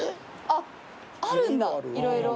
あっあるんだ色々。